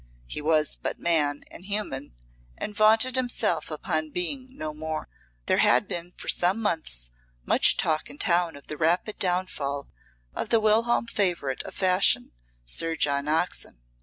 He was but man and human, and vaunted himself upon being no more. There had been for some months much talk in town of the rapid downfall of the whilom favourite of Fashion, Sir John Oxon.